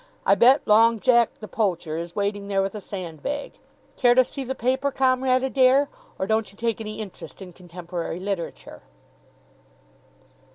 I bet Long Jack, the poacher, is waiting there with a sandbag. Care to see the paper, Comrade Adair? Or don't you take any interest in contemporary literature?"